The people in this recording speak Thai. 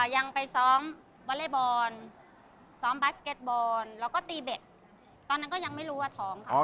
ยังไปซ้อมวอเล็กบอลซ้อมบาสเก็ตบอลแล้วก็ตีเบ็ดตอนนั้นก็ยังไม่รู้ว่าท้องค่ะ